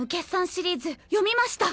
シリーズ読みました！